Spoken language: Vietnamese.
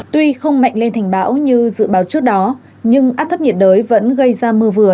tuy không mạnh lên thành bão như dự báo trước đó nhưng áp thấp nhiệt đới vẫn gây ra mưa vừa